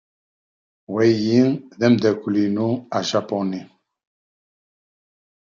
Wayi d-amdakkel-inu ajapuni.